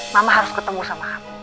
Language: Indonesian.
mama harus ketemu sama aku